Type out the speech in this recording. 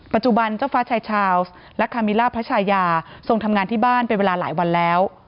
ปัจจุบันเจ้าฟ้าชายชาวส์และคามิล่าพระชายาทรงทำงานที่บ้านเป็นเวลาหลายวันแล้ว